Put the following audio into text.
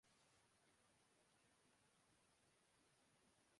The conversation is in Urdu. جب one day team Azhar Ali سے